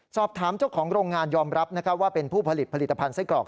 สอบถามเจ้าของโรงงานยอมรับว่าเป็นผู้ผลิตผลิตภัณฑ์ไส้กรอก